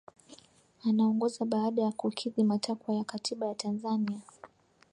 Anaongoza baada ya kukidhi matakwa ya Katiba ya Tanzania